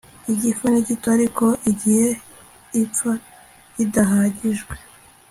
Igifu ni gito ariko igihe ipfa ridahagijwe